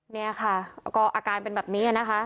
เนี่ยค่ะก็อาการเป็นแบบนี้นะคะ